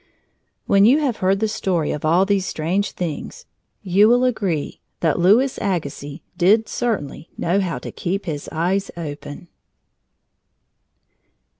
When you have heard the story of all these strange things, you will agree that Louis Agassiz did certainly know how to keep his eyes open.